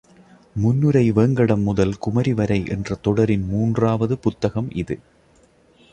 முன்னுரை வேங்கடம் முதல் குமரிவரை என்ற தொடரின் மூன்றாவது புத்தகம் இது.